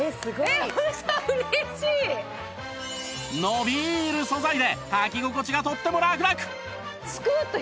伸びる素材ではき心地がとってもラクラク